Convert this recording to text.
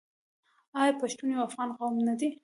آیا پښتون یو افغان قوم نه دی؟